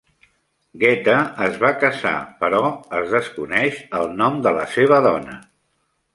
Geta es va casar, però es desconeix el nom de la seva dona.